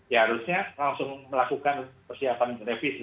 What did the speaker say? ya harusnya langsung melakukan persiapan revisi